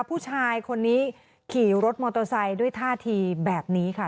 ผู้ชายคนนี้ขี่รถมอเตอร์ไซค์ด้วยท่าทีแบบนี้ค่ะ